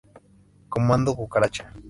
Comando Cucaracha.